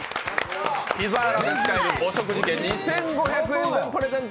ピザーラで使えるお食事券２５００円分プレゼント。